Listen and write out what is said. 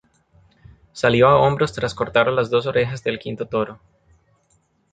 Salió a hombros tras cortar las dos orejas del quinto toro.